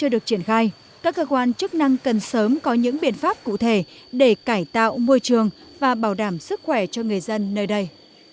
được triển khai các cơ quan chức năng cần sớm có những biện pháp cụ thể để cải tạo môi trường và bảo đảm sức khỏe cho người dân nơi đây